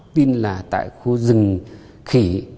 tin là tại khu rừng khỉ